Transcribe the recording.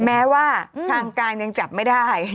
แม้ว่าทางการยังจับไม่ได้